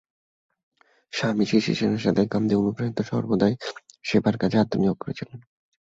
স্বামী শিশির সেনের সাথেই গান্ধী অনুপ্রাণিত সর্বোদয় সেবার কাজে আত্মনিয়োগ করেছিলেন।